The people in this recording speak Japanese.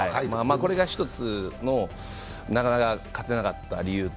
これが一つのなかなか勝てなかった理由と。